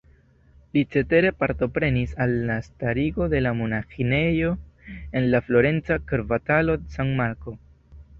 Li cetere partoprenis al la starigo de monaĥinejo en la florenca kvartalo San Marco.